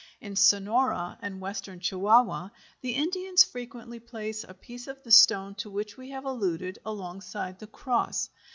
In Sonora and Western Chihuahua the Indians frequently place a piece of the stone to which we have alluded alongside the cross.